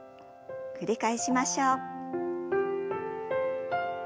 繰り返しましょう。